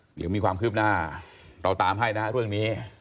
เดี๋ยวมีความคืบหน้าเราตามให้นะเรื่องนี้